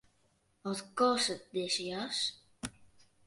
Wat kostet dizze jas?